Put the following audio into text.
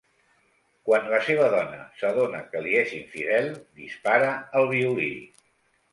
Quan la seva dona s'adona que li és infidel, dispara al violí.